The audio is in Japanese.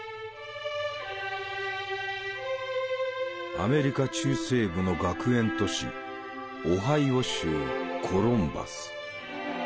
アメリカ中西部の学園都市オハイオ州コロンバス。